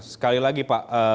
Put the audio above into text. sekali lagi pak